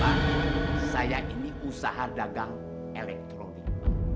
karena saya ini usaha dagang elektronik